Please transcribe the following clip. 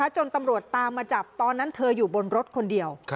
จนตำรวจตามมาจับตอนนั้นเธออยู่บนรถคนเดียว